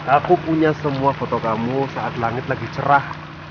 aku punya semua foto kamu saat langit lagi cerah